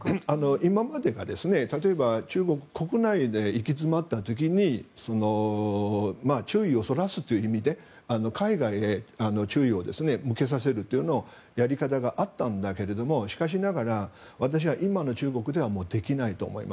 今までが例えば、中国国内で行き詰まった時に注意をそらすという意味で海外に注意を向けさせるというやり方があったんだけれどもしかしながら私は今の中国ではできないと思います。